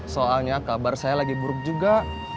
soalnya kabar saya lagi buruk juga